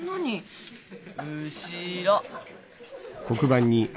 後ろ。